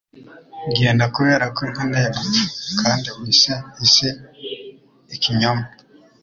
Genda, kubera ko nkeneye gupfa, Kandi uhe isi ikinyoma.